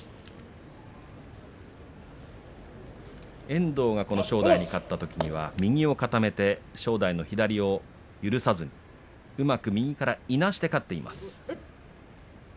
遠藤がこの正代に勝ったときは右を固めて正代の左を許さずにうまく右からいなして勝っています。